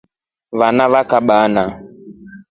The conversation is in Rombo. Vana va kabana.